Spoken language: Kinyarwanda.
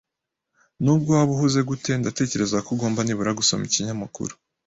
Nubwo waba uhuze gute, ndatekereza ko ugomba nibura gusoma ikinyamakuru.